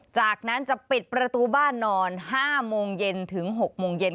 จากนั้นจะปิดประตูบ้านนอน๑๗๐๐นถึง๑๘๐๐น